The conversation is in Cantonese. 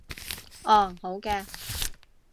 哦，好嘅